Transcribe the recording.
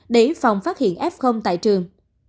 để phòng phát hiện f tại trường